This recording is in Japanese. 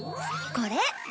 これ。